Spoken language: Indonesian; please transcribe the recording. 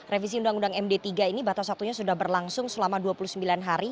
revisi undang undang md tiga ini batas waktunya sudah berlangsung selama dua puluh sembilan hari